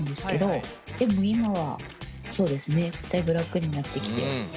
でも今はそうですねだいぶ楽になってきて。